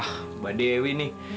ah mbak dewi nih